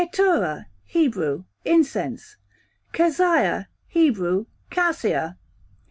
v._ Keturah, Hebrew, incense. Keziah, Hebrew, cassia.